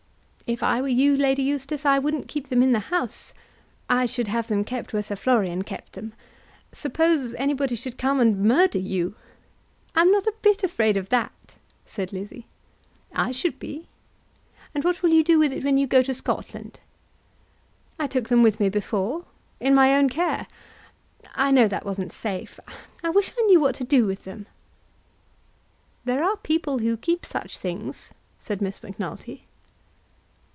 "If I were you, Lady Eustace, I wouldn't keep them in the house. I should have them kept where Sir Florian kept them. Suppose anybody should come and murder you!" "I'm not a bit afraid of that," said Lizzie. "I should be. And what will you do with it when you go to Scotland?" "I took them with me before; in my own care. I know that wasn't safe. I wish I knew what to do with them!" "There are people who keep such things," said Miss Macnulty.